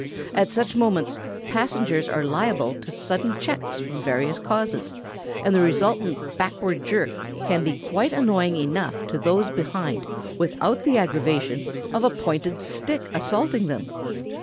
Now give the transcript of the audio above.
At such moments passengers are liable to sudden checks from various causes, and the resultant backward jerk can be quite annoying enough to those behind without the aggravation of a pointed stick assaulting them.